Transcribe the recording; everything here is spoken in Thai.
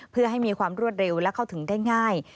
เพื่อให้มีความรวดเร็วและเข้าถึงได้ง่าย